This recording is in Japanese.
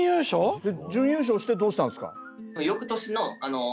準優勝してどうしたんですか？